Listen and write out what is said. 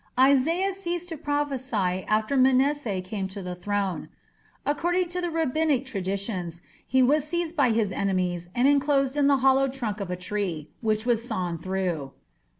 Isaiah ceased to prophesy after Manasseh came to the throne. According to Rabbinic traditions he was seized by his enemies and enclosed in the hollow trunk of a tree, which was sawn through.